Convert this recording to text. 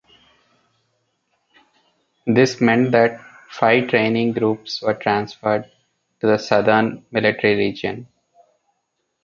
This meant that five training groups were transferred to the Southern Military Region.